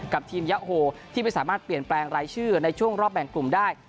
ทีมยะโฮที่ไม่สามารถเปลี่ยนแปลงรายชื่อในช่วงรอบแบ่งกลุ่มได้